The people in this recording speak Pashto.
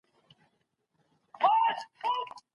د لويي جرګې په اړه د نړیوالي ټولني غبرګون څه دی؟